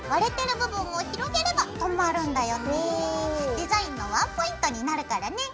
デザインのワンポイントになるからね。